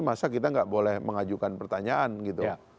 masa kita nggak boleh mengajukan pertanyaan gitu